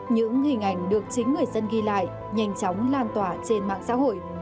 những hình ảnh được chính người dân ghi lại nhanh chóng lan tỏa trên mạng xã hội